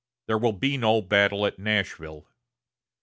There will be no battle at Nashville."